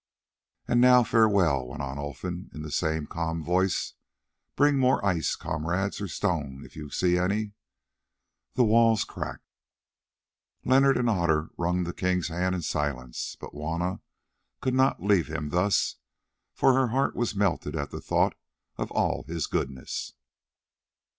"And now, farewell," went on Olfan in the same calm voice. "Bring more ice, comrades, or stone if you can see any; the wall cracks." Leonard and Otter wrung the king's hand in silence, but Juanna could not leave him thus, for her heart was melted at the thought of all his goodness.